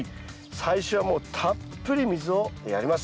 最初はもうたっぷり水をやります。